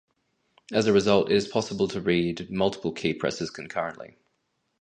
As a result, it is possible to read multiple key presses concurrently.